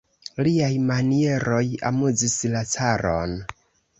Liaj manieroj amuzis la caron.